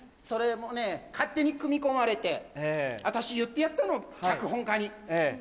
それもね勝手に組み込まれて私言ってやったの脚本家に。